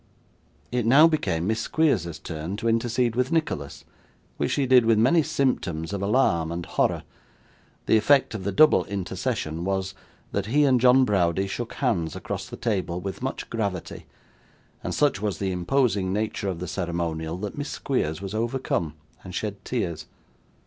It now became Miss Squeers's turn to intercede with Nicholas, which she did with many symptoms of alarm and horror; the effect of the double intercession was, that he and John Browdie shook hands across the table with much gravity; and such was the imposing nature of the ceremonial, that Miss Squeers was overcome and shed tears.